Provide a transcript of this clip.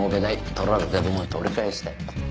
取られた分を取り返したい。